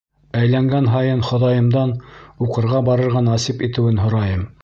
Әйләнгән һайын Хоҙайымдан уҡырға барырға насип итеүен һорайым.